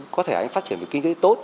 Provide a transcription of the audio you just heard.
có thể phát triển kinh tế tốt